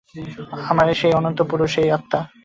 আমরা সেই অনন্ত পুরুষ, সেই আত্মা।